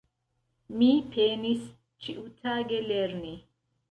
Mi penis ĉiutage lerni.